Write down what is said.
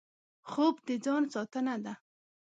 خوب د ځان ساتنه ده